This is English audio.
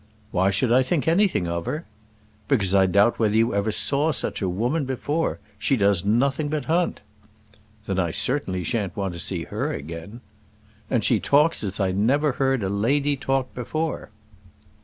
"Why should I think anything of her?" "Because I doubt whether you ever saw such a woman before. She does nothing but hunt." "Then I certainly shan't want to see her again." "And she talks as I never heard a lady talk before."